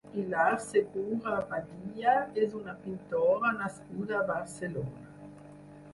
Pilar Segura Badia és una pintora nascuda a Barcelona.